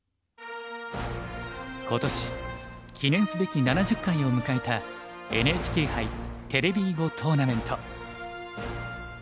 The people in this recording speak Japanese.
今年記念すべき７０回を迎えた「ＮＨＫ杯テレビ囲碁トーナメント」。